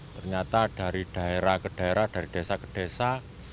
ternyata dari daerah ke daerah dari desa ke desa